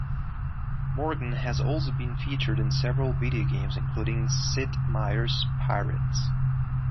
Morgan has also been featured in several video games, including Sid Meier's Pirates!